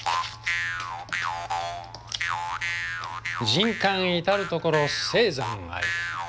人間至る処青山あり。